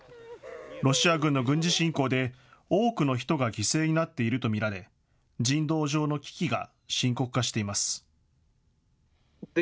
ロシア軍の軍事侵攻で多くの人が犠牲になっていると見られ、人道上の危機が深刻化しています。